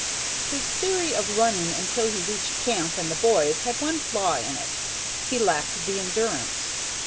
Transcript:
His theory of running until he reached camp and the boys had one flaw in it: he lacked the endurance.